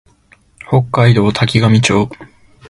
北海道滝上町